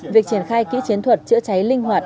việc triển khai kỹ chiến thuật chữa cháy linh hoạt